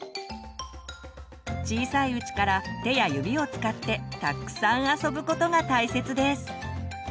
小さいうちから手や指を使ってたっくさん遊ぶことが大切です。